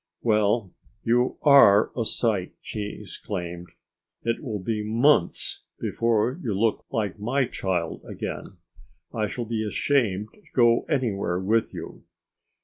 "Well! you ARE a sight!" she exclaimed. "It will be months before you look like my child again. I shall be ashamed to go anywhere with you."